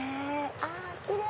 あっキレイ！